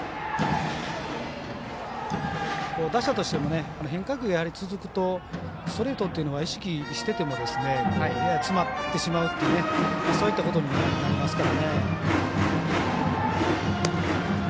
打者としても変化球が続くと変化球を意識してても詰まってしまうというそういったことになりますから。